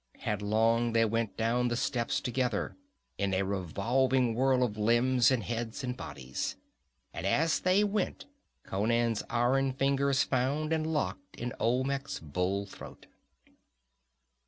Headlong they went down the steps together, in a revolving whirl of limbs and heads and bodies. And as they went Conan's iron fingers found and locked in Olmec's bull throat.